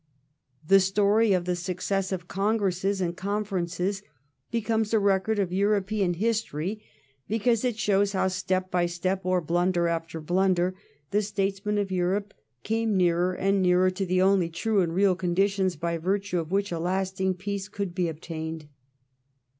The story of the successive congresses and conferences becomes a record of European his tory because it shows how, step by step, or blunder after blunder, the statesmen of Europe came nearer and nearer to the only true and real conditions by virtue of which a lasting peace could be obtained.